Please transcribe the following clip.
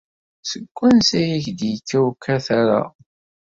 Seg wansi ay ak-d-yekka ukatar-a?